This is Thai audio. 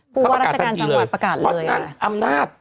พูดว่าราชการจังหวัดประกาศเลย